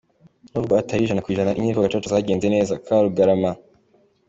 Nubwo Atari Ijana Ku Ijana Inyiko Gacaca zagenze neza- Karugarama